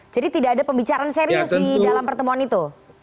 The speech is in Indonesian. jadi tidak ada pembicaraan serius di dalam pertemuan itu